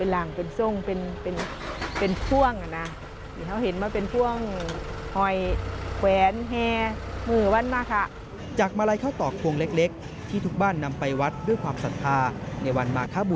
และเริ่มจากการทำนาข้าวตอกมาร้อยเป็นมาลัยครับ